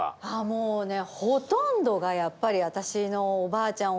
もうねほとんどがやっぱりわたしのおばあちゃん